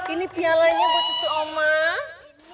ini pialanya buat cucu omah